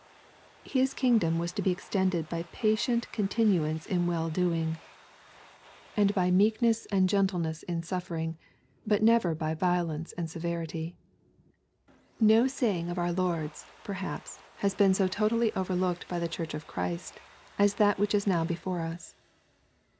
His kingdom was to be extended by patient cDntinuanco in LUEE^ CHAP. IX. 335 well doings and by meekness and gentleness in sufferings but never by violence and severity. No saying of our Lord's, perhaps, has been so totally overlooked by the Church of Christ as that which is now before us.